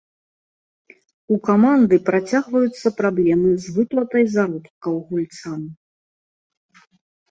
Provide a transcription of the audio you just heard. У каманды працягваюцца праблемы з выплатай заробкаў гульцам.